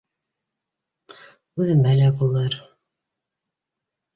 — Үҙемә лә булыр